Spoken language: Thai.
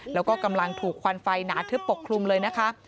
แล้วก็กำลังถูกควันไฟหนาทึบปกคลุมเลยนะคะ